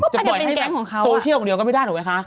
จะปล่อยให้โตเชียลคนเดียวก็ไม่ได้ถูกไหมคะ